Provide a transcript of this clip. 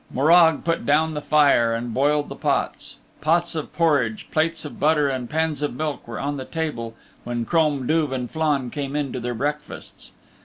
Morag put down the fire and boiled the pots. Pots of porridge, plates of butter and pans of milk were on the table when' Crom Duv and Flann came in to their breakfasts.